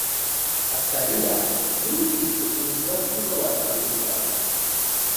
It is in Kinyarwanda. ataliya yumvise urusaku rw abantu birukanka